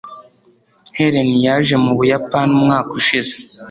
helen yaje mu buyapani umwaka ushize